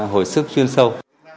hồi sức chuyên sâu